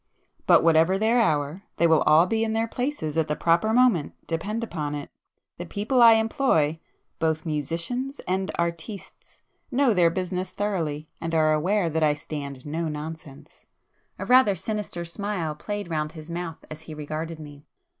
But whatever their hour, they will all be in their places at the proper moment, depend upon it. The people I employ—both musicians and 'artistes'—know their business thoroughly, and are aware that I stand no nonsense." A rather sinister smile played round his mouth as he regarded me.